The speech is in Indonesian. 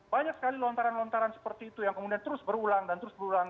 banyak sekali lontaran lontaran seperti itu yang kemudian terus berulang dan terus berulang